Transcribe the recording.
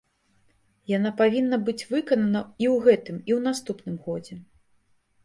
Яна павінна быць выканана і ў гэтым, і ў наступным годзе.